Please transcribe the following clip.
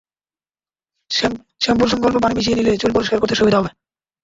শ্যাম্পুর সঙ্গে অল্প পানি মিশিয়ে নিলে চুল পরিষ্কার করতে সুবিধা হবে।